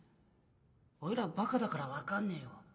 おいらバカだから分かんねえよ。